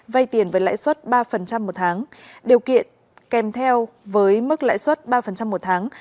vay tiền với lãi suất ba một tháng điều kiện kèm theo với mức lãi suất ba một tháng